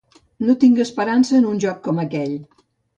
No tinc esperança en un joc com aquell.